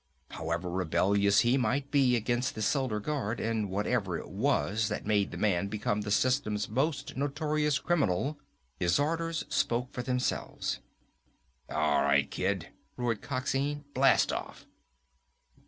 However rebellious he might be against the Solar Guard, and whatever it was that made the man become the system's most notorious criminal, his orders spoke for themselves. "All right, Kid," roared Coxine, "blast off!"